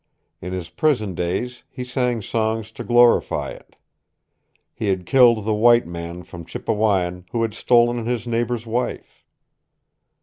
In his prison days he sang songs to glorify it. He had killed the white man from Chippewyan who had stolen his neighbor's wife!